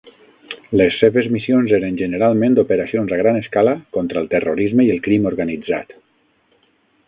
Les seves missions eren generalment operacions a gran escala contra el terrorisme i el crim organitzat.